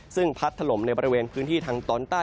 ซึ่งพัดถล่มในบริเวณพื้นที่ทางตอนใต้